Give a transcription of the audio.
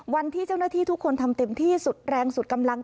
วันที่เจ้าหน้าที่ทุกคนทำเต็มที่สุดแรงสุดกำลัง